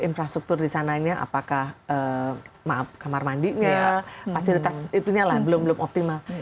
infrastruktur di sana ini apakah kamar mandinya fasilitas itunya lah belum belum optimal